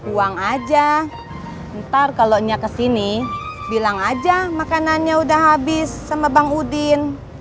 uang aja ntar kalaunya kesini bilang aja makanannya udah habis sama bang udin